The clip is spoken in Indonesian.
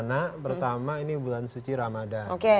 anak pertama ini bulan suci ramadan